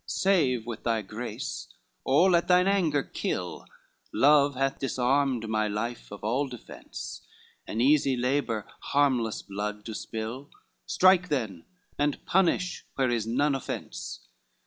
XXVIII "Save with thy grace, or let thine anger kill, Love hath disarmed my life of all defence; An easy labor harmless blood to spill, Strike then, and punish where is none offence."